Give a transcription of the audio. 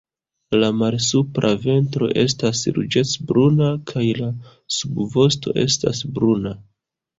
La malsupra ventro estas ruĝecbruna kaj la subvosto estas bruna.